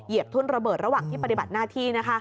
บทุ่นระเบิดระหว่างที่ปฏิบัติหน้าที่